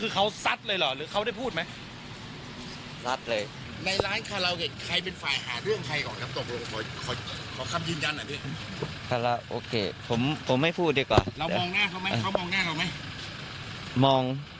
ใครก่อน